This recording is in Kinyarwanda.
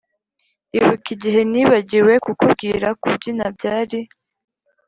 ibuka igihe nibagiwe kukubwira kubyina byari